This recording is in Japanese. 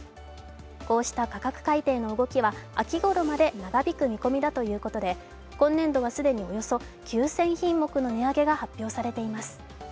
こうした価格改定の動きは秋頃まで長引く見込みだということで今年度は既におよそ９０００品目の値上げが発表されています。